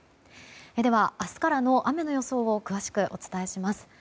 では、明日からの雨の予想を詳しくお伝えします。